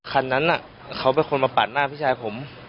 คันนั้นเขาเป็นคนมาปัดหน้าพี่ชายผม